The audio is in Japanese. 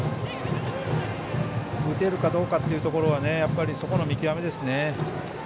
打てるかどうかというところの見極めですね。